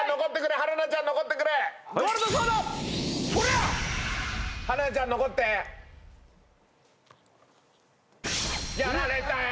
春菜ちゃん残ってやられたよ！